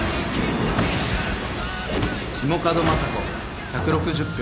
下角正子１６０票。